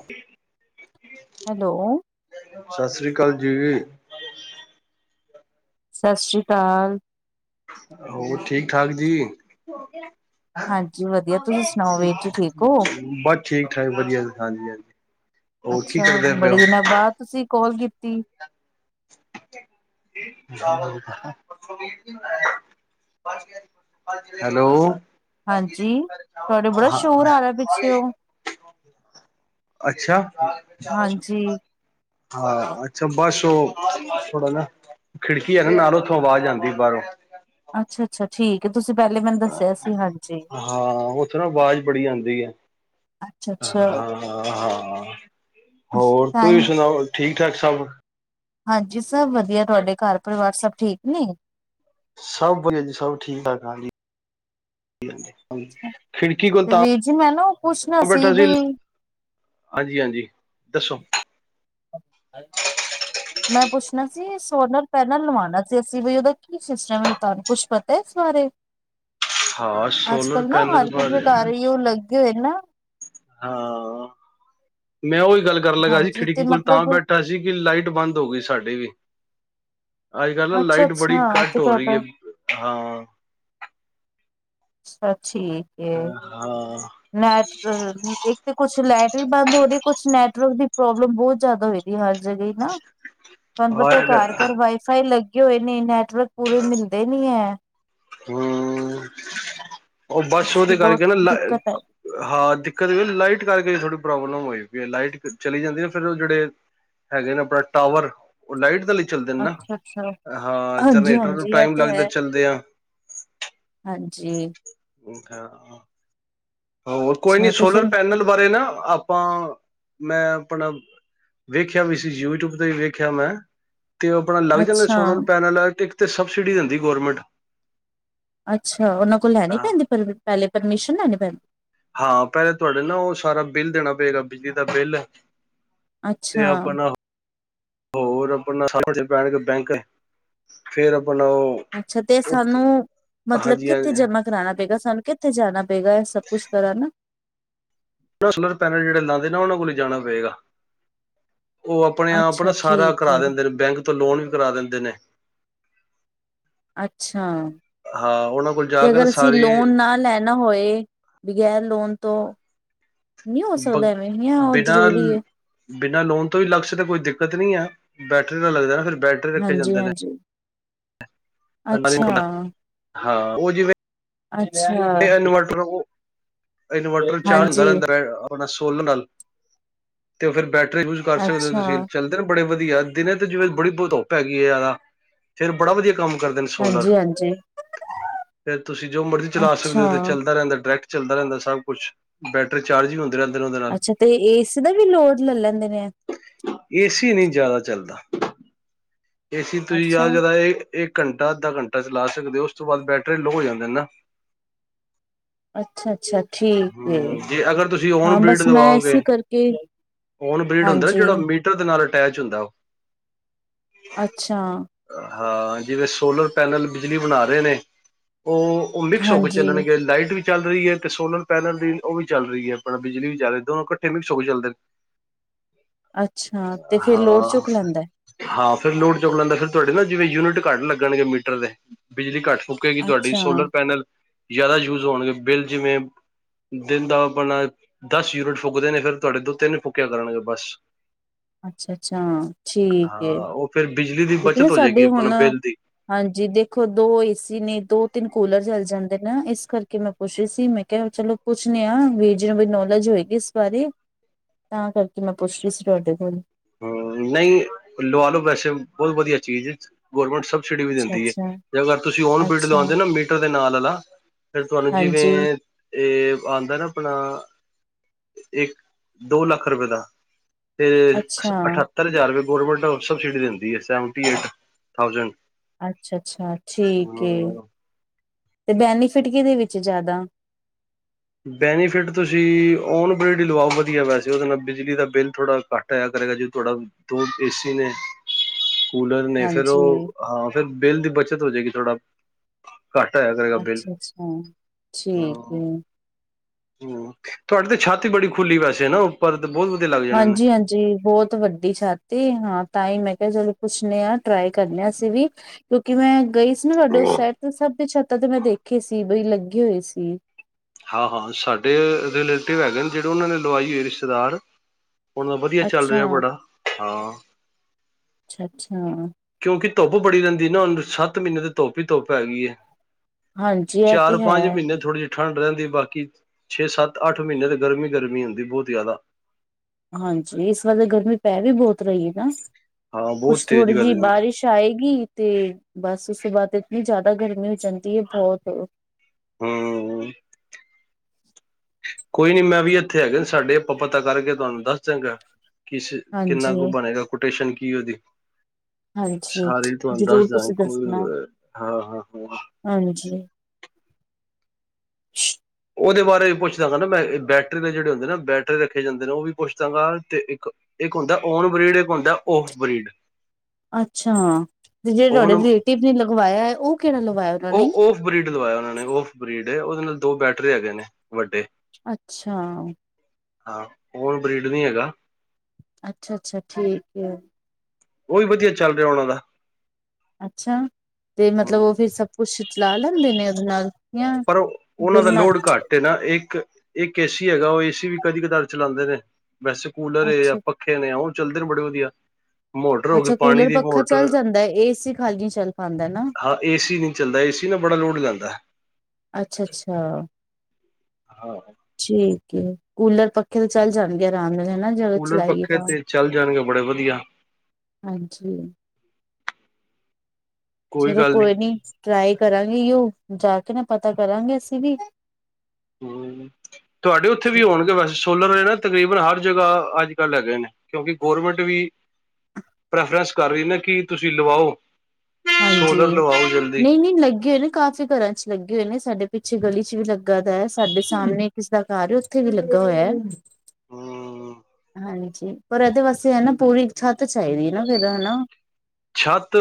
[inaudible] Hello ਸਤਿ ਸ੍ਰੀ ਅਕਾਲ ਜੀ ਸਤਿ ਸ਼੍ਰੀ ਅਕਾਲ ਹੋਰ ਠੀਕ ਠਾਕ ਜੀ ਹਾਂਜੀ ਵਧੀਆ ਤੁਸੀਂ ਸੁਣਾਓ ਵੀਰ ਜੀ ਠੀਕ ਹੋ? ਬਸ ਠੀਕ ਠਾਕ ਵਧੀਆ ਹਾਂਜੀ ਹਾਂਜੀ ਹੋਰ ਕੀ ਅੱਛਾ ਕਰਦੇ ਪਏ ਬੜੇ ਹੋ ਦਿਨਾਂ ਬਾਅਦ ਤੁਸੀਂ ਕੋਲ ਕੀਤੀ [unintelligible] ਹੈਲੋ ਹਾਂਜੀ। ਤੁਹਾਡੇ ਬੜਾ ਸ਼ੋਰ ਆ ਰਿਹਾ ਪਿੱਛੇਓ [unintelligible] ਅੱਛਾ ਹਾਂਜੀ ਹਾਂ ਅੱਛਾ ਬਸ ਉਹ ਥੋੜਾ ਨਾ ਖਿੜਕੀ ਐ ਨਾ ਨਾਲ, ਉੱਥੋਂ ਆਵਾਜ਼ ਆਂਦੀ ਐ ਬਾਹਰੋਂ ਅੱਛਾ ਅੱਛਾ ਠੀਕ ਹੈ ਤੁਸੀਂ ਪਹਿਲੇ ਮੈਨੂੰ ਦੱਸਿਆ ਸੀ ਹਾਂਜੀ ਹਾਂ ਉੱਥੇ ਨਾ ਆਵਾਜ਼ ਬੜੀ ਆਉਂਦੀ ਹੈ ਅੱਛਾ ਅੱਛਾ ਹਾਂ ਹਾਂ ਹੋਰ ਤੁਸੀਂ ਟਾਈਮ ਸੁਣਾਓ ਠੀਕ ਠਾਕ ਸਭ ਹਾਂਜੀ ਸਭ ਵਧੀਆ ਤੁਹਾਡੇ ਘਰ ਪਰਿਵਾਰ ਸਭ ਠੀਕ ਨੇ ਸਭ ਵਧੀਆ ਜੀ ਸਭ ਠੀਕ ਠਾਕ ਹਾਂਜੀ ਖਿੜਕੀ ਕੋਲ ਤੇ ਤਾਂ ਵੀਰ ਜੀ ਮੈਂ ਨਾ ਪੁੱਛਣਾ ਬੈਠਾ ਸੀ ਬਈ ਹਾਂਜੀ ਹਾਂਜੀ ਦੱਸੋ ਹਾਂ ਮੈਂ ਪੁੱਛਣਾ ਸੀ ਸੋਲਰ ਪੈਨਲ ਲਵਾਉਣਾ ਸੀ ਅਸੀਂ ਬ ਉਹਦਾ ਕੀ ਸਿਸਟਮ ਹੈ, ਤੁਹਾਨੂੰ ਕੁਛ ਪਤਾ ਪਤਾ ਇਸ ਬਾਰੇ, ਹਾਂ ਅੱਜ ਸੋਲਰ ਕੱਲ ਨਾ ਪੈਨਲ ਹਰ ਕਿਸੀ ਦੇ ਬਾਰੇ ਘਰ ਇਹ ਹੀ ਲੱਗੇ ਹੋਏ ਨਾ ਹਾਂ, ਮੈਂ ਉਹੀ ਗੱਲ ਕਰਨ ਲੱਗਾ ਸੀ ਹਾਂਜੀ ਤੇ ਖਿੜਕੀ ਕੋਲ ਤਾਂ ਮਤਲਬ ਬੈਠਾ ਸੀ ਕਿ ਲਾਈਟ ਬੰਦ ਹੋ ਗਈ ਸਾਡੇ ਵੀ, ਅੱਜ ਕੱਲ ਨਾ ਲਾਈਟ ਬੜੀ ਅੱਛਾ-ਅੱਛਾ ਘੱਟ ਤੇ ਹੋ ਰਹੀ ਤੁਹਾਡਾ ਹੈ। ਹਾਂ- ਅੱਛਾ ਠੀਕ ਹੈ, ਹਾਂ ਹਾਂ ਨੈਟ ਇੱਕ ਤੇ ਕੁਛ ਲੈਟ ਵੀ ਬੰਦ ਹੋ ਰਹੀ, ਕੁਛ ਨੈਟਵਰਕ ਦੀ ਪ੍ਰੋਬਲਮ ਬਹੁਤ ਜਿਆਦਾ ਹੋ ਰੀ ਹੈ ਹਰ ਜਗ੍ਹ ਹੀ ਨਾ ਤੁਹਾਨੂੰ ਪਤਾ ਘਰ ਹਮ ਘਰ ਵਾਈਫਾਈ ਲੱਗੇ ਹੋਏ ਨੇ, ਨੈਟਵਰਕ ਪੂਰੇ ਮਿਲਦੇ ਨੀ ਹੈ। ਹਮ, ਉਹ ਬਸ ਇਸ ਲਈ ਉਹਦੇ ਬਹੁਤ ਕਰਕੇ ਨਾ ਲ ਦਿੱਕਤ ਆਈ ਹਾਂ ਦਿੱਕਤ ਵੀ ਲਾਈਟ ਕਰਕੇ, ਥੋੜੀ ਪ੍ਰੋਬਲਮ ਹੋਈ ਵੀ ਲਾਈਟ ਚਲੀ ਜਾਂਦੀ ਫਿਰ ਉਹ ਜਿਹੜੇ ਹੈਗੇ ਨੇ ਆਪਣਾ ਟਾਵਰ, ਉਹ ਲਾਈਟ ਨਾਲ ਈ ਚੱਲਦੇ ਨੇ ਨਾ, ਅੱਛਾ-ਅੱਛਾ ਹਾਂ ਜਨਰੇਟਰ ਨੂੰ ਹਾਂਜੀ-ਹਾਂਜੀ ਇਹ ਟਾਈਮ ਤੇ ਲੱਗਦਾ ਹੈ। ਚੱਲਦੇ ਆ। ਹਾਂਜੀ। ਹ ਹਾਾਂ ਹੋ ਕੋਈ ਨੀ ਅੱਛਾ ਤੇ ਸੋਲਰ ਫਿਰ ਪੈਨਲ ਬਾਰੇ ਨਾ ਆਪਾਂ, ਮੈਂ ਆਪਣਾ ਵੇਖਿਆ ਵੀ ਸੀ, ਯੂਟਿਊਬ ਤੇ ਵੀ ਵੇਖਿਆ ਮੈਂ ਤੇ ਆਪਣਾ ਲੱਗ ਜਾਂਦਾ ਸੋਲਰ ਅੱਛਾ-ਅੱਛਾ ਪੈਨਲ, ਇੱਕ ਤੇ ਸਬਸਿਡੀ ਦਿੰਦੀ ਗਰਮੈਂਟ ਅੱਛਾ! ਉਹਨਾਂ ਕੋਲ ਲੈਣੀ ਪੈਂਦੀ ਪਰ ਪਹਿਲੇ ਪਰਮਿਸ਼ਨ ਲੈਣੀ ਪੈਂਦੀ। ਹਾਂ ਪਹਿਲੇ ਤੁਹਾਡੇ ਨਾ ਉਹ ਸਾਰਾ ਬਿੱਲ ਦੇਣਾ ਪਏਗਾ, ਬਿਜਲੀ ਦਾ ਬਿੱਲ ਤੇ ਅੱਛਾ ਆਪਣਾ ਹੋਰ ਆਪਣਾ ਪੈਨ ਕੇ ਬੈਂਕ, ਫੇਰ ਆਪਣਾ ਉਹ ਅੱਛਾ ਤੇ ਸਾਨੂੰ ਮਤਲਬ, ਹਾਂਜੀ ਕਿੱਥੇ ਹਾਂਜੀ ਜਮਾ ਕਰਾਉਣਾ ਪਏਗਾ, ਸਾਨੂੰ ਕਿੱਥੇ ਜਾਣਾ ਪਏਗਾ ਸਭ ਕੁੱਛ ਕਰਨ? ਸੋਲਰ ਪੈਨਲ ਜਿੜੇ ਲਾਉਂਦੇ ਨਾ ਉਹਨਾਂ ਕੋਲ ਜਾਣਾ ਪਏਗਾ। ਉਹ ਆਪਣੇ ਆਪ ਨਾ ਅੱਛਾ ਸਾਰਾ ਠੀਕ ਕਰਾ ਏ ਦਿੰਦੇ ਨੇ, ਬੈਂਕ ਤੋਂ ਲੋਨ ਵੀ ਕਰਾ ਦਿੰਦੇ ਨੇ। ਅੱਛਾ! ਹਾਂ ਉਹਨਾਂ ਕੋਲ ਜਾ ਤੇ ਕੇ ਨਾ ਅਗਰ ਅਸੀਂ ਸਾਰੀ ਲੋਨ ਨਾ ਲੈ ਨਾ ਹੋਏ ਬਗੈਰ ਲੋਨ ਤੋਂ ਨਹੀਂੀ ਹੋ ਸਕਦਾ ਐਵੇਂ, ਉਹ ਬਿਨਾਂ ਜ਼ਰੂਰੀ ਹੈ? ਬਿਨਾਂ ਲੋਨ ਤੋਂ ਹੀ ਲਗ ਸਕਦਾ ਤੇ ਕੋਈ ਦਿੱਕਤ ਨੀ ਆ, ਬੈਟਰੀ ਦਾ ਲੱਗਦਾ ਨਾ ਫਿਰ ਬੈਟਰੀ ਰੱਖੇ ਹਾਂਜੀ ਜਾਂਦੇ ਨੇ -ਹਾਂਜੀ। ਅੱਛਾ ਹਾਂ ਉਹ ਜਿਵੇਂ ਅੱਛਾ। ਤੇ ਇਨਵਰਟਰ ਉਹ ਇਨਵਰਟਰ ਚਾਰਜ ਹੁੰਦਾ ਹਾਂਜੀ ਰਹਿੰਦਾ ਰ ਆਪਣਾ ਸੋਲਰ ਨਾਲ ਤੇ ਫੇਿਰ ਬੈਟਰੀ ਯੂਜ ਕਰ ਸਕਦੇ ਹੋ ਅੱਛਾ ਤੁਸੀਂ, ਚੱਲਦੇ ਬੜੇ ਵਧੀਆ ਦਿਨੇ ਤੇ ਜਿਵੇਂ ਬੜੀ ਤ ਧੁੱਪ ਹੈਗੀ ਹੈ ਜ਼ਿਆਦਾ, ਫੇਰ ਬੜਾ ਵਧੀਆ ਕੰਮ ਕਰਦੇ ਨੇ ਸੋਲਰ, ਹਾਂਜੀ ਹਾਂਜੀ ਫਿਰ ਤੁਸੀਂ ਜੋ ਮਰਜ਼ੀ ਚਲਾ ਅੱਛਾ ਸਕਦੇ ਹੋ ਚੱਲਦਾ ਰਹਿੰਦਾ ਡਾਇਰੈਕਟ ਚੱਲਦਾ ਰਹਿੰਦਾ ਸਭ ਕੁਛ ਬੈਟਰੀ ਚਾਰਜ ਹੀ ਹੁੰਦਾ। ਅੱਛਾ, ਤੇ ਏਸੀ ਦਾ ਵੀ ਲੋਡ ਲੈ ਲੈਂਦੇ ਨੇ? ਏਸੀ ਨਹੀਂ ਜ਼ਿਆਦਾ ਚੱਲਦਾ, ਏਸੀ ਤੁਸੀਂ ਅੱਛਾ ਯਾਦਾਂ ਯਾਦਾਂ ਇਹ ਇੱਕ ਘੰਟਾ ਅੱਧਾ ਘੰਟਾ ਚਲਾ ਸਕਦੇ ਹੋ, ਉਸ ਤੋਂ ਬਾਅਦ ਬੈਟਰੀ ਲੋਅ ਹੋ ਜਾਂਦੇ ਨਾ। ਅੱਛਾ ਅੱਛਾ ਠੀਕ ਹੈ, ਹੂੰ ਜੇ ਅਗਰ ਤੁਸੀਂ ਓਨ ਹਾਂ ਬ੍ਰੀਡ ਬਸ ਮੈਂ ਇਸੇ ਲਵਾਓਗੇ ਕਰਕੇ ਓਨ ਬ੍ਰਿਡ ਹੁੰਦਾ ਨਾ ਹਾਂਜੀ ਜਿਹੜਾ ਮੀਟਰ ਦੇ ਨਾਲ ਅਟੈਚ ਹੁੰਦਾ ਉਹ ਅੱਛਾ। ਹਾਂ, ਜਿਵੇਂ ਸੋਲਰ ਪੈਨਲ ਬਿਜਲੀ ਬਣਾ ਰਹੇ ਨੇ ਉਹ ਉਹ ਮਿਕਸ ਹੋ ਕੇ ਹਾਂਜੀ, ਚੱਲਣਗੇ ਲਾਈਟ ਵਿੱਚ ਚੱਲ ਰਈ ਏ ਤੇ ਸੋਲਰ ਪੈਨਲ ਵੀ ਓ ਵੀ ਚੱਲ ਰਈ ਐ ਆਪਣਾ ਬਿਜਲੀ ਵੀ ਚੱਲ ਰਈ ਐ ਦੋਨੋ ਇਕੱਠੇ ਮਿਕਸ ਹੋਕੇ ਚੱਲਦੇ ਨੇ। ਹ [unintelligible] ਅੱਛਾ ਤੇ ਫੇਰ ਲੋੜ ਚੁੱਕ ਲੈਂਦਾ। ਹਾਂ ਫੇਰ ਲੋੜ ਚੁੱਕ ਲੈਂਦਾ ਫਿਰ ਤੁਹਾਡੇ ਨਾ ਜਿਵੇਂ ਯੂਨਿਟ ਘੱਟ ਲੱਗਣਗੇ ਮੀਟਰ ਦੇ, ਬਿਜਲੀ ਘੱਟ ਫੂ ਫੂਕੇਗੀ ਤੁਆਡੀ ਅੱਛਾ, ਸੋਲਰ ਪੈਨਲ ਜ਼ਾਦਾ ਯੂਜ ਹੋਣਗੇ ਬਿੱਲ ਜਿਵੇਂ ਦਿਨ ਦਾ ਆਪਣਾ ਦਸ ਯੂਨਿਟ ਫੂਕਦੇ ਨੇ ਫੇਰ ਤੁਹਾਡੇ ਤੋਂ ਤਿੰਨ ਫੂਕਿਆ ਕਰਨਗੇ ਬਸ। ਅੱਛਾ-ਅੱਛਾ ਹਾਂ ਠੀਕ ਏ। ਉਹ ਫਿਰ ਬਿਜਲੀ ਦੀ ਕਿਉਂਕਿ ਨਾ ਬੱਚਤ ਹੋ ਜੇਗੀ ਸਾਡੇ ਆਪਣਾ ਹੁਣ ਬਿੱਲ ਦੀ। ਹਾਂਜੀ ਦੇਖੋ ਦੋ ਏਸੀ ਨੇ ਦੋ ਤਿੰਨ ਕੂਲਰ ਚਲ ਜਾਂਦੇ ਨੇ ਇਸ ਕਰਕੇ ਮੈਂ ਪੁੱਛ ਰੀ ਸੀ ਮੈਂ ਕਿਆ ਚਲੋ ਪੁਛਨੇ ਆਂ ਵੀਰ ਜੀ ਨੂੰ ਵੀ ਨੌਲੇਜ ਹੋਏਗੀ ਇਸ ਬਾਰੇ। ਤਾਂ ਕਰਕੇ ਮੈਂ ਪੁੱਛ ਰੀ ਸੀ ਤੁਹਾਡੇ ਕੋਲੋ। ਹੂੰ ਨਈ ਲਵਾ ਲੋ ਵੈਸੇ ਬੋਤ ਵਦੀਆ ਚੀਜ਼ ਏ। ਗੋਰਮੈਂਟ ਸਬਸਿਡੀ ਵੀ ਦਿੰਦੀ ਏ ਅੱਛਾ-ਅੱਛਾ, ਅਗਰ ਤੁਸੀਂ ਓਨ ਬਿਡ ਅੱਛਾ ਲਵਾਂਦੇ ਨਾ ਮੀਟਰ ਦੇ ਨਾਲ ਆਲਾ ਫਿਰ ਤੁਹਾਨੂੰ ਜਿਵੇਂ ਹਾਂਜੀ, ਇਹ ਆਂਦਾ ਨਾ ਆਪਣਾ ਇੱਕ ਦੋ ਲੱਖ ਰੁਪਏ ਦਾ ਤੇ ਅਠੱ ਅੱਛਾ, ਅਠੱਤਰ ਹਜ਼ਾਰ ਰਪਏ ਗੋਰਮੈਂਟ ਸਬਸਿਡੀ ਦਿੰਦੀ ਏ ਸੈਵੰਟੀ ਏਟ ਥਾਊਜੈ਼ਂਡ ਅੱਛਾ-ਅੱਛਾ ਠੀਕ ਏ, ਤੇ ਬੈਨੀਫਿਟ ਕਿਦੇ ਵਿੱਚ ਏ ਜ਼ਾਦਾ। ਬੈਨੀਫਿਟ ਤੁਸੀਂ ਓਨਬ੍ਰਿਡ ਈ ਲਵਾਓ ਵਦੀਆ ਵੈਸੇ ਓਦੇ ਨਾਲ ਬਿਜਲੀ ਦਾ ਬਿੱਲ ਥੋੜ੍ਹਾ ਘੱਟ ਘੱਟ ਆਇਆ ਕਰੇਗਾ ਜੇ ਤੁਹਾਡਾ ਦੋ ਏਸੀ ਨੇ। ਕੂਲਰ ਨੇ ਫੇਰ ਓ ਹਾਂਜੀ, ਹਾਂ ਫੇਰ ਬਿੱਲ ਦੀ ਬੱਚਤ ਹੋ ਜੇਗੀ ਥੋੜਾ, ਘੱਟ ਆਇਆ ਕਰੇ ਅੱਛਾ-ਅੱਛਾ ਠੀਕ ਏ। ਹੂੰ ਤੁਹਾਡੀ ਤੇ ਛੱਤ ਬੜੀ ਖੁੱਲੀ ਵੈਸੇ ਨਾ ਓ। ਤੁਆਡੇ ਤਾਂ ਬੋਤ ਵਦੀਆ ਲੱਗ ਜਾਣੇ ਹਾਂਜੀ-ਹਾਂਜੀ ਬੋਤ ਵੱ ਦੀ ਛੱਤ ਤੇ ਹਾਂ ਤਾਂਈ ਮੈਂ ਕਿਹਾ ਚਲੋ ਪੁੱਛਨੇ ਆ ਟਰਾਈ ਕਰਨੇ ਅਸੀਂ ਵੀ ਕਿਉਂਕਿ ਮੈਂ ਗਈ ਨਾ ਤੁਹਾਡੇ ਨੇ ਉਸ ਸਾਈਡ ਤੇ ਸਭ ਛੱਤਾਂ ਤੇ ਮੈਂ ਦੇਖੇ ਸੀ ਬਈ ਲੱਗੇ ਹੋਏ ਸੀ। ਹਾਂ-ਹਾਂ ਸਾਡੇ ਰਿਲੇਟਿਵ ਹੈਗੇ ਨੇ ਜੇੜੇ ਓਨਾਂ ਨੇ ਲਵਾਈ ਐ ਰਿਸ਼ਤੇਦਾਰ। ਹੁਨ ਓ ਵਦੀਆ ਚੱਲ ਅੱਛਾ ਰਿਆ ਬੜਾ, ਹਾਂ। ਅੱਛਾ-ਅੱਛਾ। ਕਿਉਂਕਿ ਧੁੱਪ ਬੜੀ ਰੈਂਦੀ ਨਾ ਹੁਣ ਸੱਤ ਮਹੀਨੇ ਤੇ ਧੁੱਪ ਹੀ ਧੁੱਪ ਹੈਗੀ ਏ। ਹਾਂਜੀ ਇਹ ਚਾਰ ਤੇ ਹੈ ਪੰਜ ਮਹੀਨੇ ਥੋੜੀ ਠੰਡ ਰੈਂਦੀ ਐ ਬਾਕੀ ਛੇ ਸੱਤ ਅੱਠ ਮਹੀਨੇ ਤਾਂ ਗਰਮੀ-ਗਰਮੀ ਹੁੰਦੀ ਏ ਬੋਤ ਜ਼ਾਦਾ। ਹਾਂਜੀ ਇਸ ਵਾਰ ਤੇ ਗਰਮੀ ਪੈ ਵੀ ਬਹੁਤ ਰਈ ਏ ਨਾ, ਹਾਂ ਬਹੁਤ ਕੁਛ ਤੇਜ਼ ਥੋੜੀ ਜੀ ਗਰਮੀ ਬਾਰਿਸ਼ ਆਏਗੀ ਤੇ ਬਸ ਉਸ ਤੋਂ ਬਾਅਦ ਇਤਨੀ ਜ਼ਾਦਾ ਗਰਮੀ ਹੋ ਜਾਂਦੀ ਏ ਬੌਤ ਹੂੰ। ਕੋਈ ਨੀ ਮੈਂ ਵੀ ਇੱਥੇ ਹੈਗੇ ਨੇ ਸਾਡੇ ਆਪਾਂ ਪਤਾ ਕਰਕੇ ਤੁਹਾਨੂੰ ਦੱਸ ਦਿਆਂਗਾ। ਕਿਸ ਕਿੰਨਾ ਕੁ ਹਾਂਜੀ ਬਨੇਗਾ ਕੋਟੇਸ਼ਨ ਕੀ ਓਦੀ। ਹਾਂਜੀ ਸਾਰੇ ਤਹਾਨੂੰ ਦੱਸ ਜ਼ਰੂਰ ਦਿਆਂਗਾ ਤੁਸੀਂ ਕੋਈ ਦੱਸਣਾ ਹਾਂ-ਹਾਂ-ਹਾਂ। ਹਾਂਜੀ। ਓਦੇ ਬਾਰੇ ਵੀ ਪੁੱਛਦਾਂਗਾ ਨਾ ਮੈਂ ਬੈਟਰੀ ਦੇ ਜਿਹੜੇ ਹੁੰਦੇ ਨਾ ਬੈਟਰੇ ਰੱਖੇ ਜਾਂਦੇ ਨੇ ਓ ਵੀ ਪੁੱਛਦਾਂਗਾ ਤੇ ਇੱਕ ਇੱਕ ਹੁੰਦਾ ਓਨ ਬਰੀਡ ਇੱਕ ਹੁੰਦਾ ਓਫ ਬਰੀਡ। ਅੱਛਾ ਤੇ ਜੇੜੇ ਓਨ ਤੁਹਾਡੇ ਰਿਲੇਟਿਵ ਨੇ ਲਗਵਾਇਆ ਐ ਓ ਕਿਹੜਾ ਲਵਾਇਆ ਓਨਾਂ ਨੇ। ਬ੍ਰਿਡ ਲਵਾਇਆ ਉਹਨਾਂ ਨੇ ਓਫ ਬ੍ਰਿਡ ਓਦੇ ਨਾਲ ਦੋ ਬੈਟਰੇ ਹੈਗੇ ਨੇ ਵੱਡੇ। ਅੱਛਾ। ਹਾਂ ਹੋਰ ਬ੍ਰਡ ਨਹੀਂ‌ ਹੈਗਾ, ਅੱਛਾ, ਅੱਛਾ ਠੀਕ ਹੈ। ਉਹ ਵੀ ਵੱਧੀਆ ਚੱਲ ਰਿਹਾ ਉਹਨਾਂ ਦਾ, ਅੱਛਾ, ਤੇ ਮਤਲਬ ਹੂੰ ਉਹ ਫਿਰ ਸਭ ਕੁੱਛ ਚਲਾ ਲੈਂਦੇ ਨੇ ਉਹਦੇ ਨਾਲ। ਜਾਂ ਪਰ ਉਹਨਾਂ ਦਾ ਬਿਲ ਨਾਲ ਲੋਡ ਘੱਟ, ਕੇ ਨਾ ਇੱਕ, ਇੱਕ ਏ ਸੀ ਹੈਗਾ ਉਹ ਏਸੀ ਵੀ ਕਦੀ ਕਦਾਰ ਚਲਾਉਂਦੇ ਨੇ ਵੈਸੇ ਕੂਲਰ ਅੱਛਾ ਆਪਾ, ਰੱਖੇ ਨੇ ਆ ਉਹ ਚੱਲਦੇ ਨੇ ਬੜੇ ਵਧੀਆ, ਮੋਟਰ ਹੋ ਗਈ, ਅੱਛਾ ਪਾਣੀ ਕੂਲਰ ਦੀ ਪੱਖਾ ਮੋਟਰ ਚੱਲ ਜਾਂਦਾ ਹੈ, ਏਸੀ ਖਾਲੀ ਨਹੀਂ ਚੱਲ ਪਾਉਂਦਾ ਨਾ ਹਾਂ ਏਸੀ ਨੀ, ਚੱਲਦਾ ਏਸੀ ਨਾ ਬੜਾ ਲੋਡ ਲੈਂਦਾ, ਅੱਛਾ, ਅੱਛਾ ਹਾਂ, ਠੀਕ ਕੂਲਰ ਪੱਖੇ ਤੇ ਚੱਲ ਜਾਣਗੇ ਆਰਾਮ ਨਾਲ ਹਨਾ। ਜਿਆਦਾ ਕੂਲਰ ਚਲਾਈਏ ਪੱਖੇ ਤਾਂ ਤੇ ਚੱਲ ਜਾਣਗੇ ਬੜੇ ਵਧੀਆ ਹਾਂਜੀ। ਚਲੋ ਕੋਈ ਨੀ ਟਰਾਈ ਕਰਾਂਗੇ ਉਹ ਜਾ ਕੇ ਨਾ ਪਤਾ ਕਰਾਂਗੇ ਅਸੀਂ ਵੀ, ਹਮ ਤੁਹਾਡੇ ਉੱਥੇ ਵੀ ਹੋਣਗੇ ਵੈਸੇ, ਸੋਲਰ ਹਨਾ ਤਕਰੀਬਨ ਹਰ ਜਗ੍ਹਾ ਅੱਜ ਕੱਲ੍ਹ ਹੈਗੇਏ ਨੇ ਕਿਉਂਕਿ ਗੌਰਮੈਂਟ ਵੀ, ਪ੍ਰੈਫਰੈਂਸ ਕਰ ਰਹੀ ਨਾ ਕਿ ਤੁਸੀਂ ਲਵਾਓ। ਹਾਂਜੀ ਸੋਲਰ ਲਵਾਓ ਜਲਦੀ ਨਹੀਂ, ਨਹੀਂ ਲੱਗੇ ਹੋਏ ਨੇ ਕੱਚ। ਘਰਾਂ ਚ ਲੱਗੇ ਹੋਏ ਨੇ ਸਾਡੇ ਪਿੱਛੇ ਗਲੀ ਚ ਵੀ ਲੱਗਾ ਦਾ ਸਾਡੇ ਸਾਹਮਣੇ ਕਿਸੇ ਦਾ ਘਰ ਹੈ ਉੱਥੇ ਵੀ ਲੱਗਾ ਹੋਇਆ ਹੈ। ਹਾਂ ਹਾਂਜੀ ਪਰ ਇਹਦੇ ਵਾਸਤੇ ਹਨਾ, ਪੂਰੀ ਛੱਤ ਚਾਹੀਦੀ ਨਾ, ਫੇਿਰ ਹਨਾ। ਛੱਤ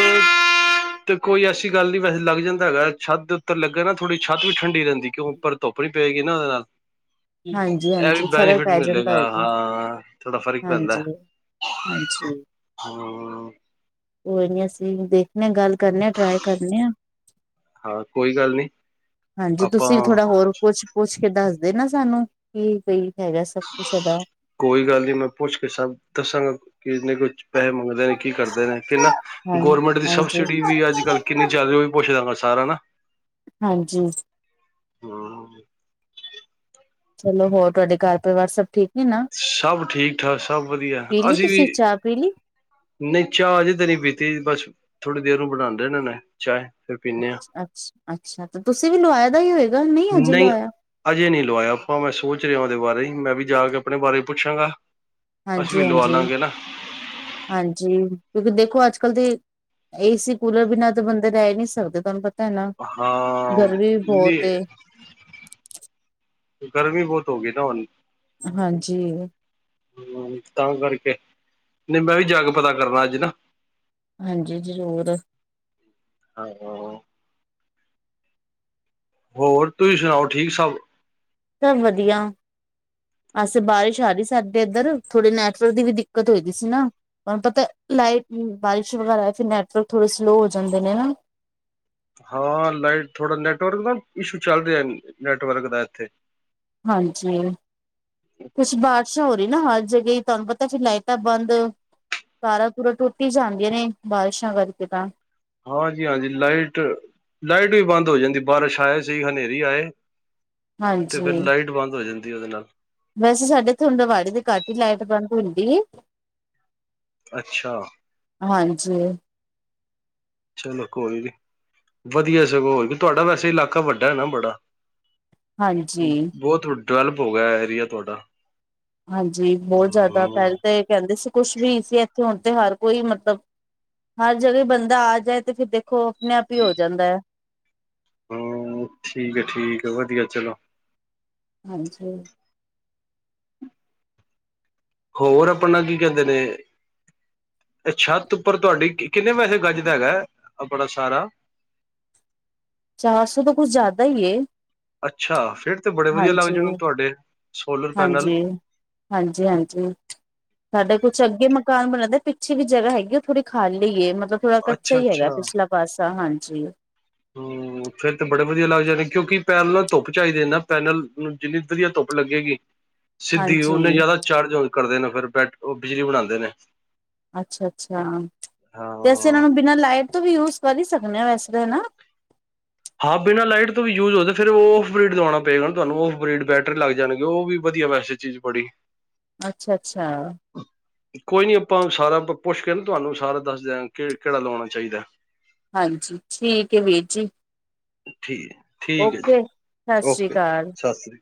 ਤੇ ਕੋਈ ਐਸੀ ਗੱਲ ਨੀ ਵੈਸੇ ਲੱਗ ਜਾਂਦਾ ਹੈਗਾ, ਛੱਤ ਦੇ ਉੱਤੇ ਲੱਗੇ ਨਾ ਥੋੜ੍ਹੀ ਛੱਤ ਵੀ ਠੰਡੀ ਰਹਿੰਦੀ ਕਿਉਂ, ਪਰ ਧੁੱਪ ਵੀ ਪਏਗੀ ਨਾ ਉਹਦੇ ਨਾਲ, ਹਾਂਜੀ, ਇਹ ਹਾਂਜੀ ਵੀ ਫ਼ਰਕ ਬੈਨੀਫਿਟ ਪੈ ਜਾਂਦਾ ਮਿਲੇਗਾ ਹੈਗਾ, ਹਾਂ ਥੋੜਾ ਫ਼ਰਕ ਹਾਂਜੀ। ਹਾਂਜੀ। ਹਾਂ ਕੋਈ ਨਹੀ ਅਸੀਂ ਵੀ ਵੇਖਦੇ ਹਾਂ ਗੱਲ ਕਰਦੇ ਹਾਂ ਟਰਾਏ ਕਰਦੇ ਆ। ਹਾਂ ਕੋਈ ਗੱਲ ਨੀ ਹਾਂਜੀ ਆਪਾਂ ਤੁਸੀਂ ਵੀ ਥੋੜਾ ਹੋਰ, ਪੁੱਛ, ਪੁੱਛ ਕੇ ਦੱਸਦੇ ਨਾ ਸਾਨੂੰ ਕੀ, ਕੀ ਹੈਗਾ ਸਭ ਕੁਛ ਇਹਦਾ, ਕੋਈ ਗੱਲ ਨਹੀਂ ਮੈਂ ਪੁੱਛ ਕੇ ਸਭ ਦੱਸਾਂਗਾ, ਕਿ ਇੰਨੇ ਕੁਝ ਪੈਸੇ ਮੰਗਦਾ, ਬੈਂਕ ਕੀ ਕਰਦੇ ਨੇ ਫ ਨਾ ਹਾਂਜੀ ਗੌਰਰਮੈਂਟ ਦੀ ਹਾਂਜੀ ਸਬਸਿਡੀ ਵੀ ਅੱਜ ਕੱਲ ਕਿੰਨੀ ਚੱਲ ਰਹੀ ਉਹ ਵੀ ਪੁੱਛਦਾਗਾ ਸਾਰਾ ਹਨਾ। ਹਾਂਜੀ। ਹਮ ਚਲੋ ਹੋਰ ਤੁਹਾਡੇ ਘਰ ਪਰਵਾਰ ਸਭ ਠੀਕ, ਨੇ ਨਾ ਸਭ ਠੀਕ, ਠਾਕ ਸਭ ਵੱਧੀਆ ਅਸੀਂ ਵੀ, ਪਈਲੀ ਨਹੀਂ ਚਾਹ ਅਜੇ ਤਾਂ ਨਹੀਂ ਪੀਤੀ ਬਸ ਥੋੜ੍ਹੀ ਦੇਰ ਨੂੰ ਬਣਾਂਦੇਹੇ ਨੇ ਚਾਹ ਫਿਰ ਪੀਂਦੇ ਹਾਂ, ਅੱਛਾ ਅੱਛਾ, ਤੇ ਤੁਸੀਂ ਵੀ ਲਵਾਏ ਦਾ ਹੀ ਹੋਏਗਾ ਹਜੇ ਨਹੀਂ ਲਵਾਇਆ ਅਜੇ ਨਹੀਂ ਲਵਾਇਆ ਆਪਾਂ, ਮੈਂ ਸੋਚ ਰਿਹਾ ਉਹਦੇ ਬਾਰੇ ਮੈਂ ਵੀ ਜਾ ਕੇ ਆਪਣੇ ਬਾਰੇ ਪੁੱਛਾਂਗਾ, ਅਸੀਂ ਹਾਂਜੀ, ਵੀ ਲਵਾ ਹਾਂਜੀ, ਲਾਂਗੇ ਨਾ ਹਾਂਜੀ ਤੁਸੀ ਦੇਖੋ ਅੱਜ ਕੱਲ੍ਹ ਦੇ, ਏਸੀ ਕੂਲਰ ਬਿਨਾਂ ਤਾਂ ਬੰਦੇ ਰਹਿ ਨਹੀਂ ਸਕਦੇ ਤੁਹਾਨੂੰ ਪਤਾ ਹੈ ਨਾ ਹਾਂ ਗਰਮੀ ਵੀ ਬਹੁਤ ਏ, ਨਹੀਂ ਗਰਮੀ ਬਹੁਤ ਹੋ ਗਈ ਨਾ ਹੁਣ। ਹਾਂਜੀ। ਹਮ ਤਾਂ ਕਰਕੇ ਨਹੀਂ ਮੈਂ ਵੀ ਜਾ ਕੇ ਪਤਾ ਕਰਨਾ ਅੱਜ ਨਾ। ਹਾਂਜੀ ਜ਼ਰੂਰ ਹਾਂ ਹ ਹੋਰ ਤੁਸੀਂ ਸੁਣਾਓ, ਠੀਕ ਸਭ ਸਭ ਵਧੀਆ ਅਜ ਤੇ ਬਾਰਿਸ਼ ਆ ਰਹੀ ਸਾਡੇ ਇੱਧਰ, ਥੋੜੇ ਨੈਟਵਰਕ ਦੀ ਵੀ ਦਿੱਕਤ ਹੋਈ ਦੀ ਸੀ ਨਾ ਤੁਹਾਨੂੰ ਪਤਾ ਲਾਈਟ, ਬਾਰਿਸ਼ ਵਗੈਰਾ ਫਿਰ ਨੈਟਵਰਕ ਥੋੜੇ ਸਲੋਅ ਹੋ ਜਾਂਦੇ ਨੇ, ਹਨਾ। ਹਾਂ ਲਾਈਟ ਥੋੜਾ ਨੈਟਵਰਕ ਦਾ ਇਸ਼ੂ ਚੱਲ ਰਿਹਾ, ਨੈਟਵਰਕ ਦਾ ਇੱਥੇ ਹਾਂਜੀ। ਕੁਛ ਬਾਰਿਸ਼ਾਂ ਹੋ ਰਹੀਆਂ ਨਾ ਹਰ ਜਗ੍ਹਾ, ਤੁਹਾਨੂੰ ਪਤਾ ਫੇਰ ਲਾਈਟਾਂ ਬੰਦ ਤਾਰਾਂ ਤੂਰਾਂ ਟੁੱਟ ਹੀ ਜਾਂਦੀਆਂ ਨੇ, ਬਾਰਿਸ਼ਾਂ ਕਰਕੇ ਤਾਂ ਹਾਂਜੀ ਹਾਂਜੀ, ਲਾਈਟ ਲਾਈਟ ਵੀ ਬੰਦ ਹੋ ਜਾਂਦੀ ਬਾਰਿਸ਼ ਆਏ ਸੀ, ਹਨੇਰੀ ਆਏ ਤੇ ਫੇਿਰ ਹਾਂਜੀ ਲਾਈਟ ਬੰਦ ਹੋ ਜਾਂਦੀ ਉਹਦੇ ਨਾਲ ਵੈਸੇ ਸਾਡੇ ਇਥੇ ਹੁੰਡਵਾੜੀ ਦੇ ਘਟ ਹੀ ਲਾਈਟ ਬੰਦ ਹੁੰਦੀ। ਅੱਛਾ। ਹਾਂਜੀ। ਚਲੋ ਕੋਈ ਨੀ, ਵਧੀਆ ਸਗੋਂ ਹੋ ਤੁਹਾਡਾ ਵੈਸੇ ਇਲਾਕਾ ਵੱਡਾ ਹੈ ਨਾ ਬੜਾ ਹਾਂਜੀ ਬਹੁਤ ਡਿਵੈਲਪ ਹੋ ਗਿਆ ਏਰੀਆ ਤੁਹਾਡਾ ਹਾਂਜੀ ਬਹੁਤ ਜ਼ਿਆਦਾ, ਹਮ ਪਹਿਲੇ ਤਾਂ ਕਹਿੰਦੇ ਸੀ ਕੁਛ ਵੀ ਨੀ ਸੀ ਇੱਥੇ ਹੁਣ ਤੇ ਹਰ ਕੋਈ ਮਤਲਬ ਹਰ ਜਗ੍ਹਾ ਬੰਦਾ ਆ ਜਾਏ ਤੇ ਫਿਰ ਦੇਖੋ, ਆਪਣੇ ਆਪ ਹੀ ਹੋ ਜਾਂਦਾ ਹੈ। ਹਾਂ ਠੀਕ ਆ ਠੀਕ ਆ, ਵਧੀਆ ਚਲੋ ਹਾਂਜੀ। ਹੋਰ ਆਪਣਾ ਕੀ ਕਹਿੰਦੇ ਨੇ ਛੱਤ ਉੱਪਰ ਤੁਹਾਡੀ, ਕਿੰਨੇ ਵੈਸੇ ਗੱਜ ਦਾ ਹੈਗਾ ਆਪਣਾ ਸਾਰਾ? ਚਾਰ ਸੌ ਤਾਂ ਕੁੱਛ ਜ਼ਿਆਦਾ ਹੀ ਏ। ਅੱਛਾ ਫੇਿਰ ਤੇ ਬੜੇ ਵਧੀਆ ਲੱਗ ਜਾਨ ਉਹ ਹਾਂਜੀ ਨੂੰ ਤੁਹਾਡੇ, ਸੋਲਰ ਪੈਨਲ ਹਾਂਜੀ ਹਾਂਜੀ ਹਾਂਜੀ। ਸਾਡਾ ਕੁਛ ਅੱਗੇ ਮਕਾਨ ਬਣਦਾ ਪਿੱਛੇ ਵੀ ਜਗ੍ਹਾ ਹੈਗੀ ਉਹ ਥੋੜ੍ਹੀ ਖਾਲੀ ਏ, ਮਤਲਬ ਥੋੜਾ ਕੱਚਾ ਅੱਛਾ ਹੀ ਅੱਛਾ ਹੈਗਾ ਪਿਛਲਾ ਪਾਸਾ, ਹਾਂਜੀ ਹਮ। ਫੇਰ ਤਾਂ ਬੜੇ ਵਧੀਆ ਲੱਗ ਜਾਣੇ ਨੇ, ਕਿਉਂਕਿ ਪੈਨਲ ਨਾਲ ਧੁੱਪ ਚਾਹੀਦੇ ਨੇ ਨਾ ਪੈਨਲ ਨੂੰ ਜਿੰਨੀ ਵਧੀਆ ਧੁੱਪ ਲੱਗੇਗੀ ਸਿੱਧੀ ਉਹਨੇ ਹਾਂਜੀ ਜ਼ਿਆਦਾ ਚਾਰਜ ਕਰਦੇ ਨੇ, ਫਿਰ ਬੈ ਉਹ ਬਿਜਲੀ ਬਣਾਉਂਦੇ ਨੇ। ਅੱਛਾ ਅੱਛਾ, ਤੇ ਅਸੀਂ ਹਾਂ ਇਹਨਾਂ ਨੂੰ ਬਿਨਾਂ ਲਾਈਟ ਤੋਂ ਵੀ ਯੂਜ ਕਰ ਹੀ ਸਕਦੇ ਹਾਂ ਵੈਸੇ ਤਾਂ ਹੈ ਨਾ ਹਾਂ ਬਿਨਾਂ ਲਾਈਟ ਤੋਂ ਵੀ ਯੂਜ ਹੋਦੇ ਫਿਰ ਉਹ ਔਫਬ੍ਰਡ ਲਗਵਾਉਣਾ ਪਏਗਾ ਤੁਹਾਨੂੰ, ਔਫਬ੍ਰਿਡ ਬੈਟਰੀ ਲੱਗ ਜਾਣਗੇ ਉਹ ਵੀ ਵਧੀਆ ਵੈਸੇ ਚੀਜ਼ ਬੜੀ ਅੱਛਾ ਅੱਛਾ। [inaudible] ਹ ਕੋਈ ਨੀ ਆਪਾਂ ਸਾਰਾ ਪੁੱਛ ਕੇ ਨਾ ਤੁਹਾਨੂੰ, ਸਾਰਾ ਦੱਸ ਦ ਕਿ ਕਿਹੜਾ ਲਾਉਣਾ ਚਾਹੀਦਾ। ਹਾਂਜੀ, ਠੀਕ ਹੈ ਵੀਰ ਜੀ ਠੀਕ ਠੀਕ ਹੈ ਜੀ ਓਕੇ, ਸਤਿ ਸ੍ਰੀ ਓਕੇ ਅਕਾਲ। ਸਤਿ ਸ੍ਰੀ